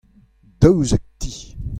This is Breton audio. daouzek ti.